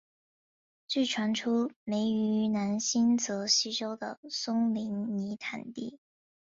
据传出没于南新泽西州的松林泥炭地。